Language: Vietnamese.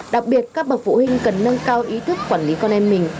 đặc biệt các bậc phụ huynh cần nâng cao ý thức quản lý con em mình